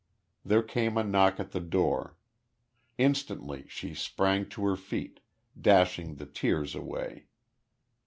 There came a knock at the door. Instantly she sprang to her feet, dashing the tears away.